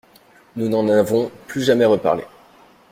Nous n’en avons plus jamais reparlé.